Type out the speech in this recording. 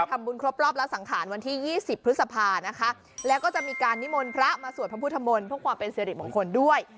ครบรอบละสังขารวันที่๒๐พฤษภานะคะแล้วก็จะมีการนิมนต์พระมาสวดพระพุทธมนต์เพื่อความเป็นสิริมงคลด้วย